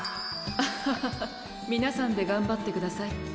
アハハハ皆さんで頑張ってください